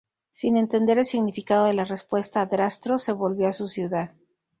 Sin entender el significado de la respuesta, Adrasto se volvió a su ciudad.